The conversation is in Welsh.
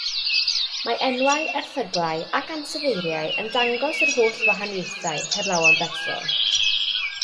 Mae enwau, erthyglau ac ansoddeiriau yn dangos yr holl wahaniaethau heblaw am berson.